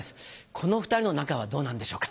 この２人の仲はどうなんでしょうか？